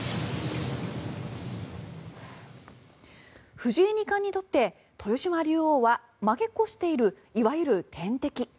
藤井二冠にとって豊島竜王は負け越しているいわゆる天敵。